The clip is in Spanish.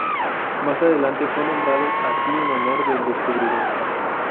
Más adelante fue nombrado así en honor del descubridor.